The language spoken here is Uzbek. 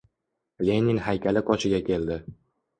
Lenin haykali qoshiga keldi.